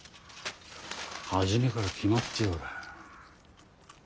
初めから決まっておる。